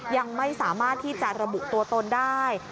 ยังไม่สามารถที่จะระบุตัวตนได้